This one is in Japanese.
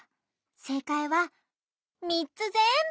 せいかいはみっつぜんぶ！